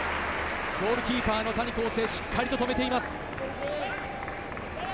ゴールキーパー・谷晃生、しっかり止めています。